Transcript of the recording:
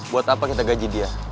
buat apa kita gaji dia